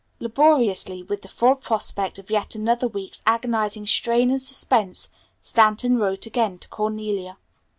Laboriously, with the full prospect of yet another week's agonizing strain and suspense, Stanton wrote again to Cornelia.